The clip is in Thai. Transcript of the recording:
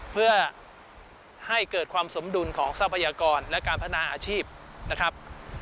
เพื่อให้เกิดความสมดุลของทรัพยากรและการพัฒนาอาชีพนะครับ